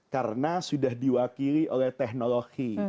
karena sudah diwakili oleh teknologi